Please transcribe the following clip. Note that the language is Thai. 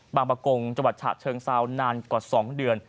บางปะกงจวัตชะเชิงซาวนานกว่า๒เดือน